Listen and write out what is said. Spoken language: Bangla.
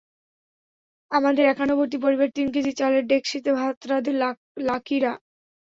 আমাদের একান্নবর্তী পরিবার তিন কেজি চালের ডেকসিতে ভাত রাঁধে লাকীরা।